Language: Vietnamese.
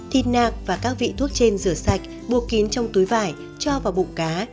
thịt nạc và các vị thuốc trên rửa sạch bụa kín trong túi vải cho vào bụng cá